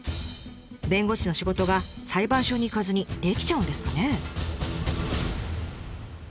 弁護士の仕事が裁判所に行かずにできちゃうんですかね？